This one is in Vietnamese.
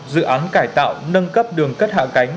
dự án cải tạo nâng cấp đường cất hạ cánh